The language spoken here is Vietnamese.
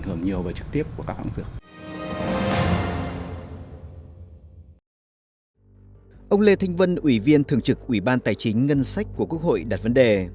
ông lê thanh vân ủy viên thường trực ủy ban tài chính ngân sách của quốc hội đặt vấn đề